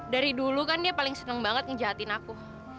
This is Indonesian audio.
dari dulu kan dia paling seneng banget ngejahatin aku